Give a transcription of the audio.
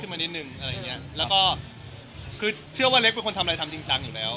ขึ้นมานิดนึงแล้วก็คือเชื่อว่าเล็กเป็นคนทำอะไรทำจริงจังแล้ว